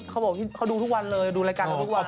จริงเขาดูทุกวันเลยดูรายการทุกวัน